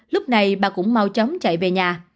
lúc này bà cũng mau chóng chạy về nhà